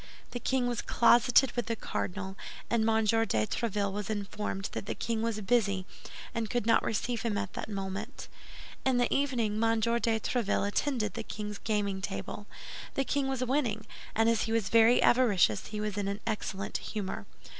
The king was closeted with the cardinal, and M. de Tréville was informed that the king was busy and could not receive him at that moment. In the evening M. de Tréville attended the king's gaming table. The king was winning; and as he was very avaricious, he was in an excellent humor.